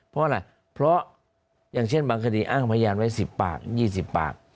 เพราะอะไรเพราะอย่างเช่นบางคดีอ้างพยานไว้๑๐ปาก๒๐ปาก